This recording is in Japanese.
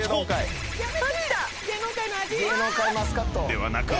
［ではなく］